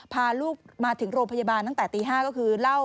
พาลูกมาถึงโรงพยาบาลตั้งแต่ตี๕ก็คือเล่า